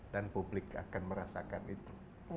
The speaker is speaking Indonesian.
dan publik akan merasakan itu